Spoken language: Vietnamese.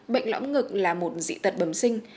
bệnh lõng ngực là một dị tật bầm sinh